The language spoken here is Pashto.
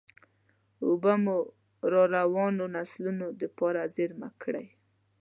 اوبه مو راروانو نسلونو دپاره زېرمه کړئ.